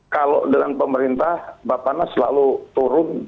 kalau dengan pemerintah bapak nas selalu turun